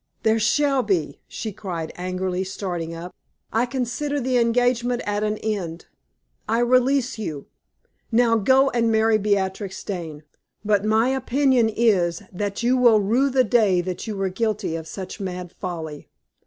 "There shall be," she cried, angrily, starting up. "I consider the engagement at an end. I release you! Now, go and marry Beatrix Dane; but my opinion is, that you will rue the day that you were guilty of such mad folly!